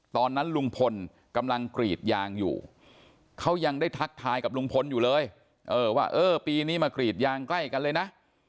ตอนนั้นลุงพลกำลังกรีดยางอยู่เขายังได้ทักทายกับลุงพลอยู่เลยว่าเออปีนี้มากรีดยางใกล้กันเลยนะ